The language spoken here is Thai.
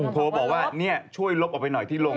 โทรบอกว่าช่วยลบออกไปหน่อยที่ลง